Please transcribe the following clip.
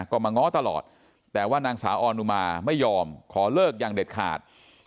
ก็มาง้อตลอดแต่ว่านางสาวออนุมาไม่ยอมขอเลิกอย่างเด็ดขาด